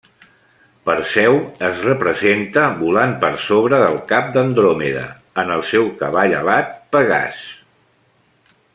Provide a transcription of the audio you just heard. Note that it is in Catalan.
Perseu es representa volant per sobre del cap d'Andròmeda, en el seu cavall alat Pegàs.